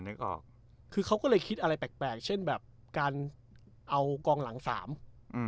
นึกออกคือเขาก็เลยคิดอะไรแปลกแปลกเช่นแบบการเอากองหลังสามอืม